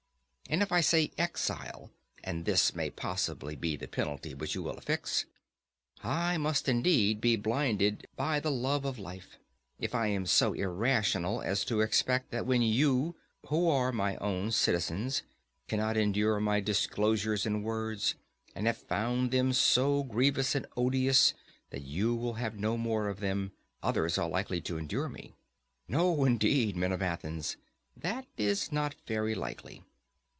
And if I say exile (and this may possibly be the penalty which you will affix), I must indeed be blinded by the love of life, if I am so irrational as to expect that when you, who are my own citizens, cannot endure my discourses and words, and have found them so grievous and odious that you will have no more of them, others are likely to endure me. No indeed, men of Athens, that is not very likely.